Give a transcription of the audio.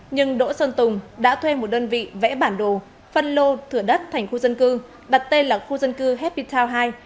nhưng đỗ sơn tùng đã thuê một đơn vị vẽ bản đồ phân lô thửa đất thành khu dân cư đặt tên là khu dân cư happy town hai